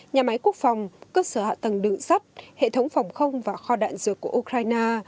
nhà máy quốc phòng cơ sở hạ tầng đựng sắt hệ thống phòng không và kho đạn dược của ukraine